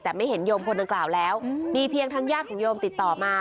แต่ไม่เห็นโยมคนดังกล่าวแล้วมีเพียงทางญาติของโยมติดต่อมา